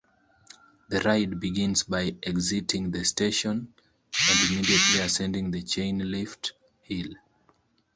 The ride begins by exiting the station and immediately ascending the chain lift hill.